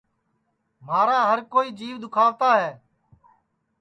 مھارا ہر کوئی جیو دُؔکھاوتا ہے